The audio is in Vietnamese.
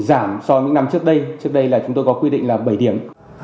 giảm so với những năm trước đây trước đây là chúng tôi có quy định là bảy điểm